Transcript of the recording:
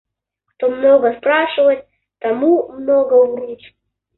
Кто много спрашивает, тому много врут.